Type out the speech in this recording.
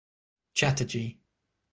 Chatterjee.